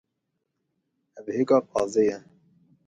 Ev hêka qazê ye.